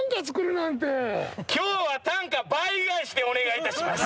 今日は短歌倍返しでお願いいたします。